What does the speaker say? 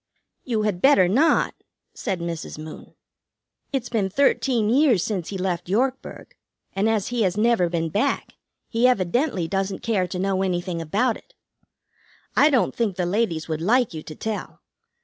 "You had better not," said Mrs. Moon. "It's been thirteen years since he left Yorkburg, and, as he has never been back, he evidently doesn't care to know anything about it. I don't think the ladies would like you to tell.